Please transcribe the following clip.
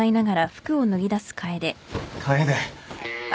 楓！